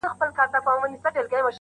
چي ستاسو موکلين پخپلو حقوقو